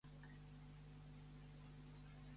L'espècie tipus és "S. praematura", el peix de Schindler.